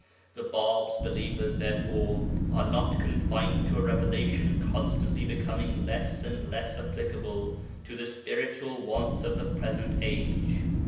The Bāb's believers therefore are not confined to a revelation constantly becoming less and less applicable to the spiritual wants of the present age.